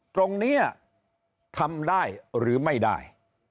ตรงนี้ทำได้หรือไม่ได้